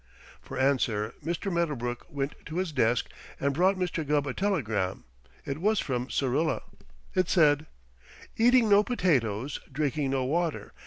For answer Mr. Medderbrook went to his desk and brought Mr. Gubb a telegram. It was from Syrilla. It said: Eating no potatoes, drinking no water.